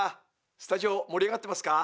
スタジオ盛り上がってますか？